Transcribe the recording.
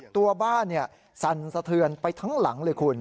ตัวบ้านสั่นสะเทือนไปทั้งหลังเลยคุณ